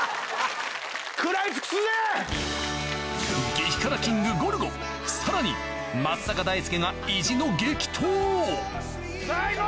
激辛キングゴルゴさらに松坂大輔がさぁ行こう！